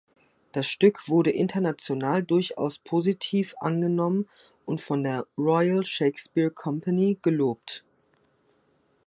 Das Stück wurde international durchaus positiv angenommen und von der "Royal Shakespeare Company" gelobt.